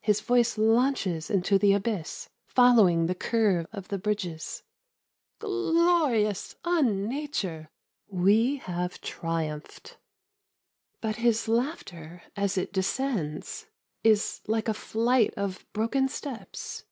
His voice launches into the abyss, following the curve of the bridges. ' Glorious unnature. We have triumphed.' But his laughter as it descends is like a flight of broken steps.